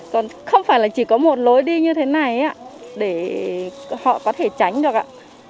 còn không phải là chỉ có một lối đi như thế này để họ có thể tránh được ạ